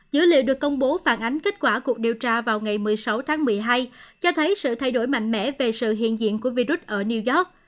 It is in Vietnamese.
dữ liệu được công bố phản ánh kết quả cuộc điều tra vào ngày một mươi sáu tháng một mươi hai cho thấy sự thay đổi mạnh mẽ về sự hiện diện của virus ở new york